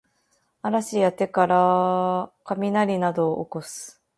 嵐や手からかみなりなどをおこす